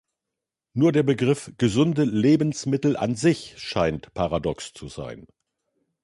Nur der Begriff "gesunde Lebensmittel" an sich scheint paradox zu sein.